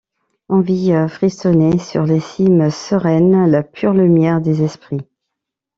On vit frissonner sur les cimes sereines la pure lumière des esprits.